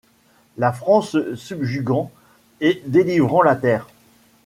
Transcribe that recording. La France subjuguant et délivrant la terre